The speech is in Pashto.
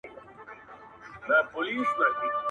• عدالت بايد رامنځته سي ژر,